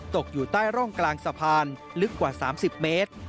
ตกอยู่ใต้ร่องกลางสะพานลึกกว่า๓๐เมตร